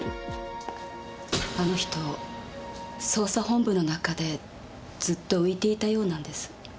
あの人捜査本部の中でずっと浮いていたようなんです。